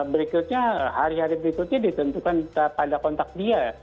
berikutnya hari hari berikutnya ditentukan pada kontak dia